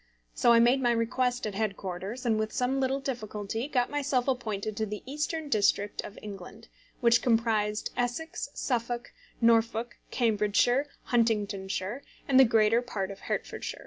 So I made my request at headquarters, and with some little difficulty got myself appointed to the Eastern District of England, which comprised Essex, Suffolk, Norfolk, Cambridgeshire, Huntingdonshire, and the greater part of Hertfordshire.